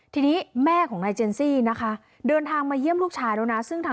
ทีนี้แม่ของนายเจนซี่นะคะเดินทางมาเยี่ยมลูกชายแล้วนะซึ่งทาง